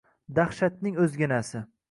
Dahshatning o‘zginasi